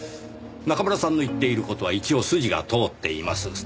中村さんの言っている事は一応筋が通っています。